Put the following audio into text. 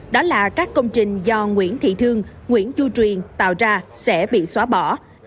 đó là các công trình do nguyễn thị thương nguyễn chu truyền tạo ra sẽ bị xóa bỏ